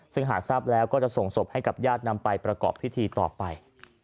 ซึ่งหากทราบแล้วก็จะส่งศพให้กับญาตินำไปประกอบพิธีต่อไป